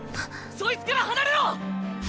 そいつから離れろ！